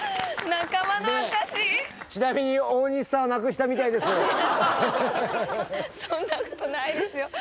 ちなみにそんなことないですよ。